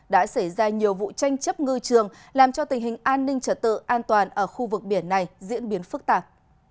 đã xảy ra nhiều vụ tranh chấp ngư trường làm cho tình hình an ninh trở tự an toàn ở khu vực biển này diễn biến phức tạp